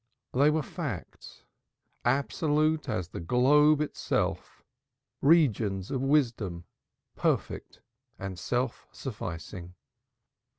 They were facts absolute as the globe itself regions of wisdom, perfect and self sufficing.